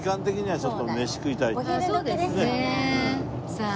さあ